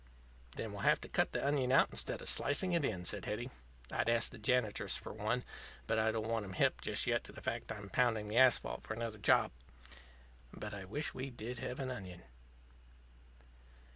"Then we'll have to cut the onion out instead of slicing it in," said Hetty. "I'd ask the janitress for one, but I don't want 'em hep just yet to the fact that I'm pounding the asphalt for another job. But I wish we did have an onion."